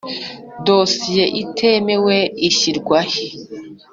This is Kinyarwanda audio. Dosiye itemewe ishyirwa he?